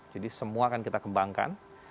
jadi semua akan kita kembangkan